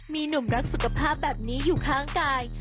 มีหนุ่มรักสุขภาพแบบนี้อยู่ข้างกาย